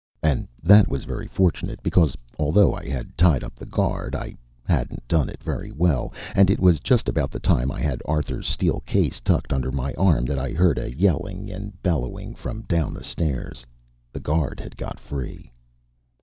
And that was very fortunate because, although I had tied up the guard, I hadn't done it very well, and it was just about the time I had Arthur's steel case tucked under my arm that I heard a yelling and bellowing from down the stairs. The guard had got free.